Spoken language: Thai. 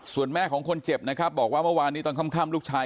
ส่วนแม่ของคนเจ็บนะครับบอกว่าเมื่อวานนี้ตอนค่ำลูกชาย